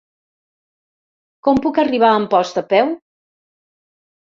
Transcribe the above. Com puc arribar a Amposta a peu?